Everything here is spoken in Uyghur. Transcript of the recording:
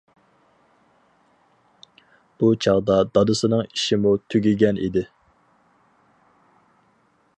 بۇ چاغدا دادىسىنىڭ ئىشىمۇ تۈگىگەن ئىدى.